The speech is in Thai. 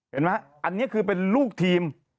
เห็นไหมอันนี้คือเป็นลูกทีม